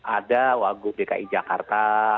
ada waguh bki jakarta